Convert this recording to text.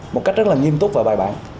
một cách rất là nghiêm túc và bài bản